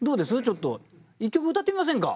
ちょっと一曲歌ってみませんか？